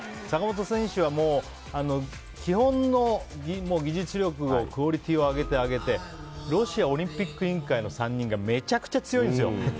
坂本選手は基本の技術力をクオリティーを上げて上げてロシアオリンピック委員会の３人がめちゃくちゃ強いんですよ。